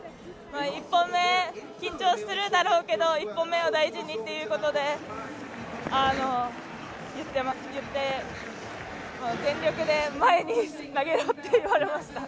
１本目、緊張するだろうけど１本目を大事にっていうことで言って、全力で前に投げろって言われました。